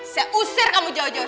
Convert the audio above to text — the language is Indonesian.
saya usir kamu jauh jauh